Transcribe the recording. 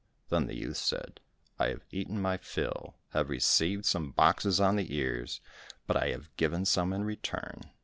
Then the youth said, "I have eaten my fill, have received some boxes on the ears, but I have given some in return."